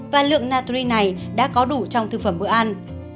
và lượng natri này đã có đủ trong thực phẩm bữa ăn